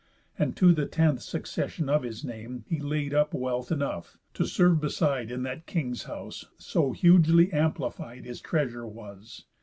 And to the tenth succession of his name He laid up wealth enough, to serve beside In that king's house, so hugely amplified His treasure was.